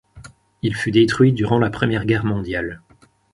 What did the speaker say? Il fut détruit durant la Première Guerre mondiale.